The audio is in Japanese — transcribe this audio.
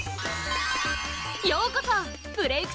ようこそ「ブレイクッ！」